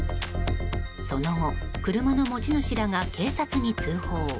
その後、車の持ち主らが警察に通報。